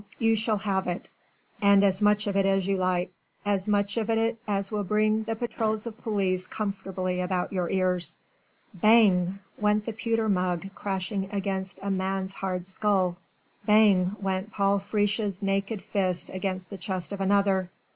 you shall have it and as much of it as you like! as much of it as will bring the patrols of police comfortably about your ears." Bang! went the pewter mug crashing against a man's hard skull! Bang went Paul Friche's naked fist against the chest of another.